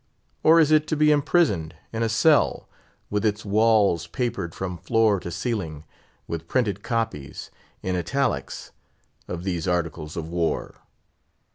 Or is it to be imprisoned in a cell, with its walls papered from floor to ceiling with printed copies, in italics, of these Articles of War?